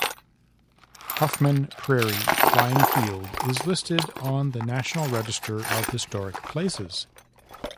Huffman Prairie Flying Field is listed on the National Register of Historic Places.